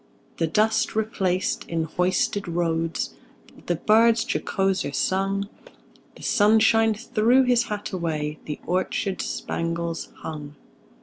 The dust replaced in hoisted roads, The birds jocoser sung; The sunshine threw his hat away, The orchards spangles hung.